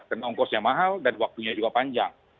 karena ongkosnya mahal dan waktunya juga panjang